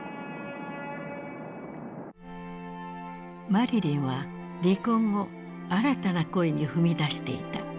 マリリンは離婚後新たな恋に踏み出していた。